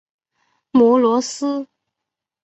摩罗斯。